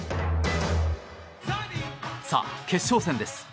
さあ、決勝戦です。